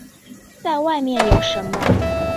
再外面有什么